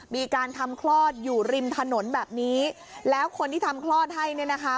มีการทำคลอดอยู่ริมถนนแบบนี้แล้วคนที่ทำคลอดให้เนี่ยนะคะ